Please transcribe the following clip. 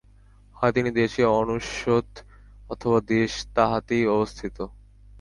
হয় তিনি দেশে অনুস্যূত অথবা দেশ তাঁহাতেই অবস্থিত।